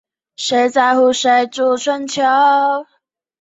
我从一个朋友家流浪到另一个朋友家。